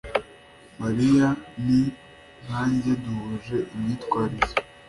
Malia ni nkanjye duhuje imyitwarire